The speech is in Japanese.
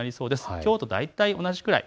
きょうと大体同じくらい。